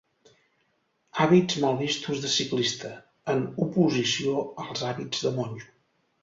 Hàbits mal vistos de ciclista, en oposició als hàbits de monjo.